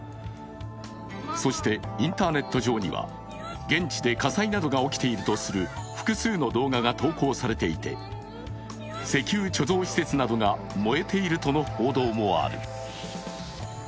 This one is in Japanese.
そしてインターネット上には現地で火災が起きているなどとする複数の動画が投稿されていて、石油貯蔵施設などが、燃えているとの報道もある。